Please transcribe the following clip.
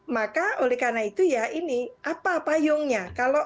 maka oleh karena itu ya ini apa payungnya